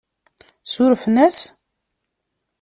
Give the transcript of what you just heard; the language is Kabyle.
Surfen-as?